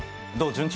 順調？